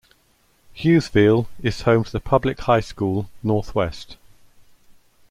Hughesville is home to the public high school, Northwest.